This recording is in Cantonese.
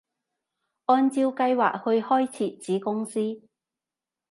按照計劃去開設子公司